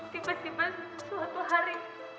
tiba tiba suatu hari